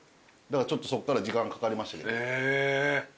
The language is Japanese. だからちょっとそっから時間かかりました。